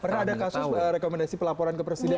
pernah ada kasus rekomendasi pelaporan ke presiden